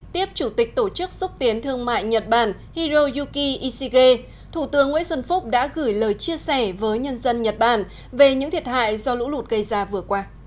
tiếp chủ tịch tổ chức xúc tiến thương mại nhật bản hiroyuki ishige thủ tướng nguyễn xuân phúc đã gửi lời chia sẻ với nhân dân nhật bản về những thiệt hại do lũ lụt gây ra vừa qua